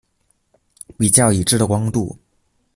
比较已知的光度。